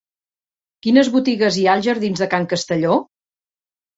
Quines botigues hi ha als jardins de Can Castelló?